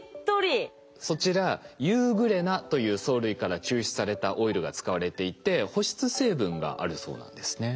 そちらユーグレナという藻類から抽出されたオイルが使われていて保湿成分があるそうなんですね。